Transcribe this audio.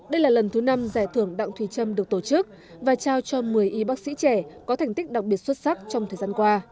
đây là lần thứ năm giải thưởng đặng thùy trâm được tổ chức và trao cho một mươi y bác sĩ trẻ có thành tích đặc biệt xuất sắc trong thời gian qua